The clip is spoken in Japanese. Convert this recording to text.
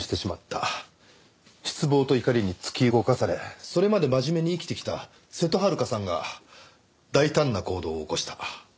失望と怒りに突き動かされそれまで真面目に生きてきた瀬戸はるかさんが大胆な行動を起こした。